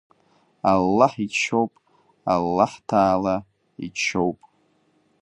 Аллаҳ иџьшьоуп, Аллаҳҭаала иџьшьоуп!